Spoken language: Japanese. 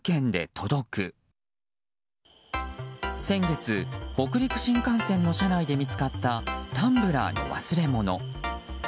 先月、北陸新幹線の車内で見つかったタンブラーの忘れ物。